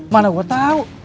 mana gue tau